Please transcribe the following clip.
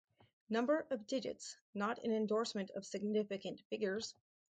Number of digits not an endorsement of significant figures.